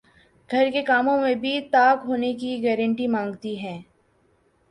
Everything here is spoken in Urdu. گھر کے کاموں میں بھی طاق ہونے کی گارنٹی مانگتی ہیں